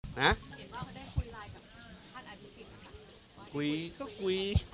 เห็นว่าก็ได้คุยไลน์กับท่านอ่านถุกิจนะคะ